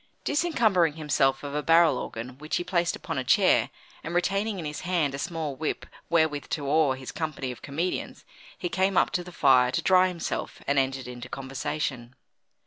Disencumbering himself of a barrel organ which he placed upon a chair, and retaining in his hand a small whip wherewith to awe his company of comedians, he came up to the fire to dry himself, and entered into conversation.